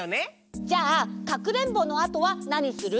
じゃあかくれんぼのあとはなにする？